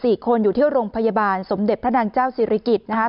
สี่คนอยู่ที่โรงพยาบาลสมเด็จพระนางเจ้าศิริกิจนะครับ